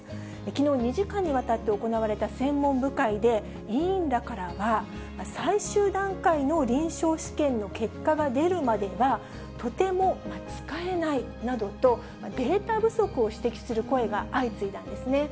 きのう、２時間にわたって行われた専門部会で、委員らからは、最終段階の臨床試験の結果が出るまでは、とても使えないなどと、データ不足を指摘する声が相次いだんですね。